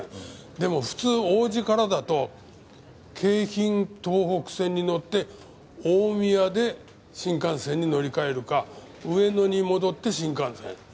でも普通王子からだと京浜東北線に乗って大宮で新幹線に乗り換えるか上野に戻って新幹線。